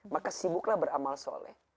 maka sibuklah beramal soleh